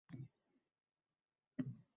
Ammo hech o‘ylab ko‘rdikmi?